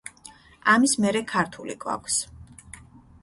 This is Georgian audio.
ამის მერე ქართული გვაქვს.